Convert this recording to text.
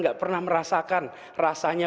tidak pernah merasakan rasanya